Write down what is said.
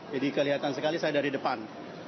jadi kelihatan sekali saya dari depan